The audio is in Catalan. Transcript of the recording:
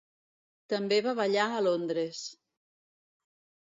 També va ballar a Londres.